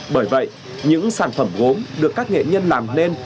bởi vậy những sản phẩm gốm được các nghệ nhân làm nên